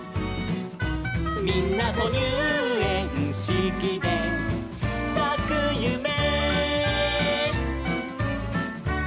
「みんなとにゅうえんしきでさくゆめ」